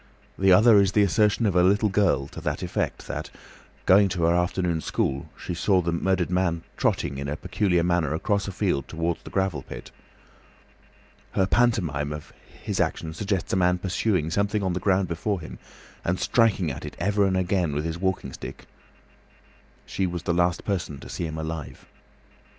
The other is the assertion of a little girl to the effect that, going to her afternoon school, she saw the murdered man "trotting" in a peculiar manner across a field towards the gravel pit. Her pantomime of his action suggests a man pursuing something on the ground before him and striking at it ever and again with his walking stick. She was the last person to see him alive.